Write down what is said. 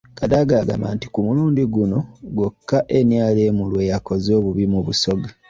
Kadaga agamba nti ku mulundi guno gwokka NRM lwe yakoze obubi mu Busoga.